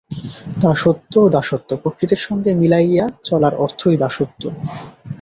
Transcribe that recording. দাসত্ব, দাসত্ব! প্রকৃতির সঙ্গে মিলাইয়া চলার অর্থই দাসত্ব।